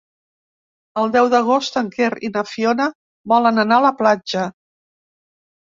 El deu d'agost en Quer i na Fiona volen anar a la platja.